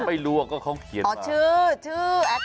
ไม่รู้เองเขาเขียนชื่อชื่อ